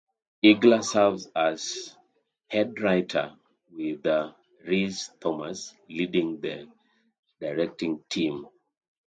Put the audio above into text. Igla serves as head writer with Rhys Thomas leading the directing team.